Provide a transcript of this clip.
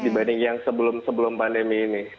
dibanding yang sebelum sebelum pandemi ini